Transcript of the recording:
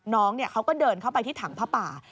น้องเขาก็เดินเข้าไปที่ถังผ้าป่า